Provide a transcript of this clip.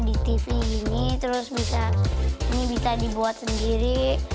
di tv gini terus bisa ini bisa dibuat sendiri